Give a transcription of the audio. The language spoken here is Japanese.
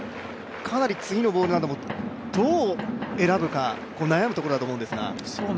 かなり次のボールもどう選ぶか悩むところだと思うんですが。